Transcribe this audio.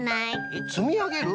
えっつみあげる？